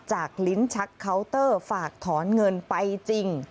ลิ้นชักเคาน์เตอร์ฝากถอนเงินไปจริง